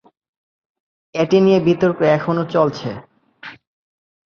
এই নিয়ে বিতর্ক এখনো চলছে।